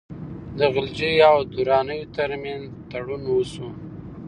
د غلجیو او درانیو ترمنځ تړون وسو.